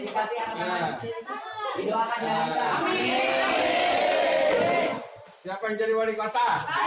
siapa yang jadi wali kota